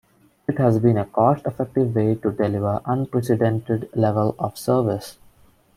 It has been a cost-effective way to deliver unprecedented level of service.